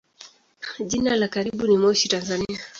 Jiji la karibu ni Moshi, Tanzania.